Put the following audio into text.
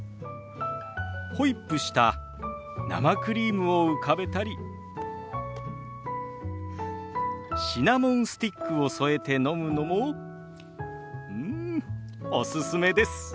ホイップした生クリームを浮かべたりシナモンスティックを添えて飲むのもうんおすすめです。